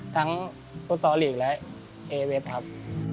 ทั้งฟุตซอลีกและเอเวฟครับ